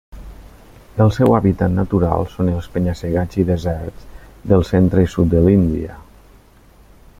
El seu hàbitat natural són els penya-segats i deserts del centre i sud de l'Índia.